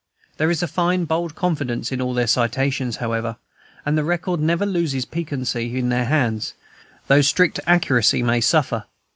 There is a fine bold confidence in all their citations, however, and the record never loses piquancy in their hands, though strict accuracy may suffer.